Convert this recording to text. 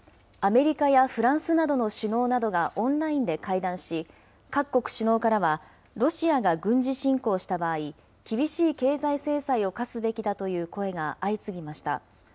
アメリカやフランスなどの首脳などがオンラインで会談し、各国首脳からは、ロシアが軍事侵攻した場合、厳しい経済制裁を科すべきだという声が相次ぎました。